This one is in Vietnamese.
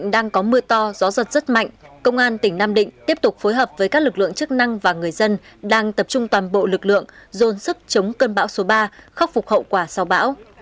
đồng chí yêu cầu công an tỉnh nam định tiếp tục phối hợp với các lực lượng chức năng và người dân đang tập trung toàn bộ lực lượng dồn sức chống cơn bão số ba khắc phục hậu quả sau bão